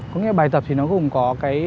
có nghĩa bài tập thì nó gồm có